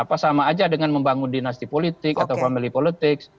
apa sama aja dengan membangun dinasti politik atau family politics